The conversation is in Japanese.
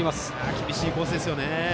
厳しいコースですよね。